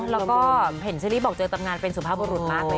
แล้วก็เห็นเชอรี่บอกเจอตำนานเป็นสุภาพบุรุษมากเลย